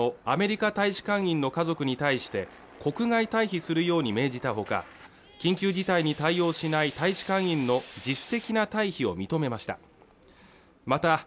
アメリカ国務省は２３日ウクライナのアメリカ大使館員の家族に対して国外退避するように命じたほか緊急事態に対応しない大使館員の自主的な退避を認めました